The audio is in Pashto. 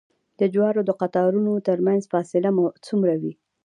د جوارو د قطارونو ترمنځ فاصله څومره وي؟